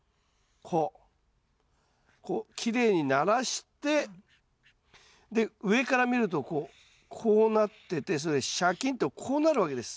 こうきれいにならしてで上から見るとこうこうなっててそれでシャキーンとこうなるわけです。